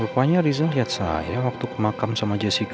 lepasnya rizal liat saya waktu kemakam sama jessica